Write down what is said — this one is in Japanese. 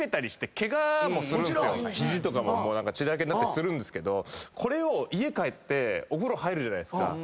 肘とかも血だらけになったりするんですけどこれを家帰ってお風呂入るじゃないですか。